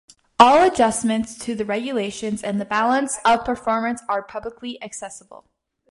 All adjustments to the regulations and the balance of performance are publicly accessible.